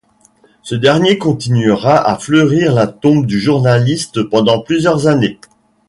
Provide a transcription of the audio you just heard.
Ce dernier continuera à fleurir la tombe du journaliste pendant plusieurs années.